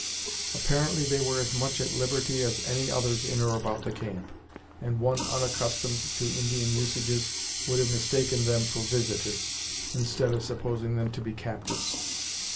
Apparently they were as much at liberty as any others in or about the camp, and one unaccustomed to Indian usages would have mistaken them for visitors, instead of supposing them to be captives.